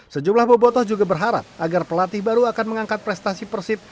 sejumlah bobotoh juga berharap agar pelatih baru akan mengangkat prestasi persib